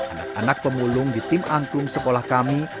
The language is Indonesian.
anak anak pemulung di tim angklung sekolah kami